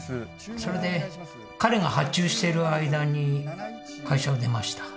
それで彼が発注している間に会社を出ました